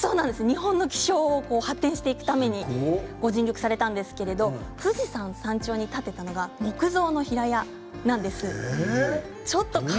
日本の気象を発展していくためにご尽力されたんですが富士山山頂に建てたのは木造の平屋です。